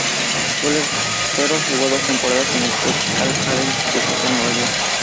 Suero jugó dos temporadas en el "Technical Career Institutes" en Nueva York.